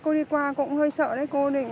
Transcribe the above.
cô đi qua cũng hơi sợ đấy